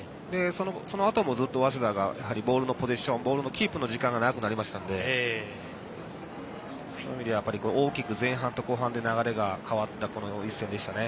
そのあとも、ずっと早稲田がボールのポゼッションボールのキープの時間が長くなりましたのでその意味では大きく前半と後半で流れが変わったこの一戦でしたね。